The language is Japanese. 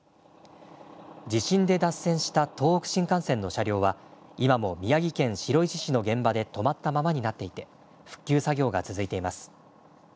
地震で脱線した東北新幹線の車両は今も宮城県白石市の現場で止まったままになっていて、復旧作業が続いています。